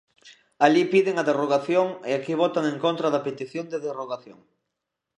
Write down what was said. Alí piden a derrogación e aquí votan en contra da petición de derrogación.